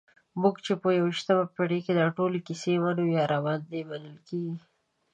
موږ چې په یویشتمه پېړۍ کې دا ټولې کیسې منو یا راباندې منل کېږي.